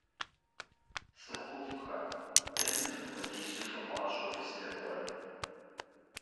ЦӀыхуфӀхэ, дэнэ мыпхуэдизу фыпӀащӀэу фыздэкӀуэр?